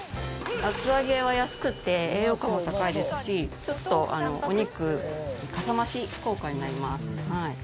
厚揚げは安くて栄養価も高いですしちょっとお肉カサ増し効果になります。